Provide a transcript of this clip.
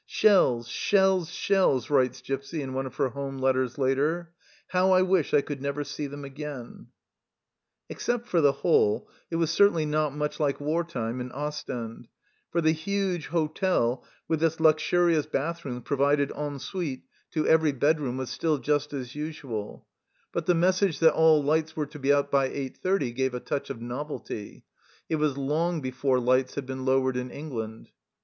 " Shells, shells, shells !" writes Gipsy in one of her home letters later. " How I wish I could never see them again !" Except for the hole, it was certainly not much like war time in Ostend, for the huge hotel, with its luxurious bath rooms provided en suite to 10 THE CELLAR HOUSE OF PERVYSE every bedroom, was still just as usual ; but the message that all lights were to be out by 8.30 gave a touch of novelty it was long before lights had been lowered in England.